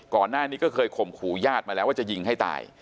ก่อนหน้านี้ก็เคยข่มขู่ญาติมาแล้วว่าจะยิงให้ตาย